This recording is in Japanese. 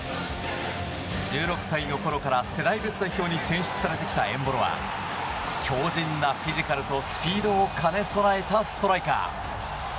１６歳のころから世代別代表に選出されてきたエンボロは強靭なフィジカルとスピードを兼ね備えたストライカー。